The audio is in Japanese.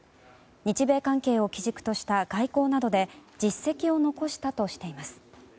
日米関係を基軸とした外交などで実績を残したとしています。